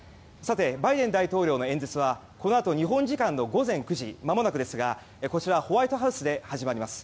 バイデン大統領の演説はこのあと日本時間の午前９時まもなくですがこちら、ホワイトハウスで始まります。